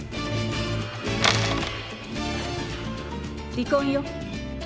離婚よ。